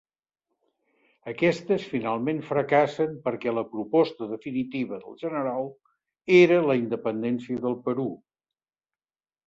Aquestes finalment fracassen perquè la proposta definitiva del general era la independència del Perú.